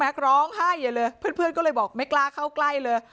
แม็คร้องให้เลยเพื่อนเพื่อนก็เลยบอกไม่กล้าเข้าใกล้เลย